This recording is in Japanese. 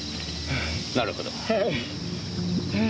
なるほど。